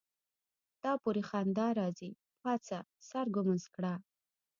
تا پوری خندا راځي پاڅه سر ګمنځ کړه.